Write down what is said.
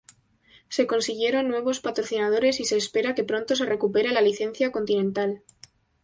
Se consiguieron nuevos patrocinadores y se espera que pronto se recupere la licencia Continental.